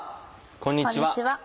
こんにちは。